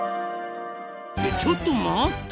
ちょっと待った！